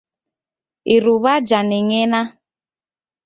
Iruw'a janeng'ena.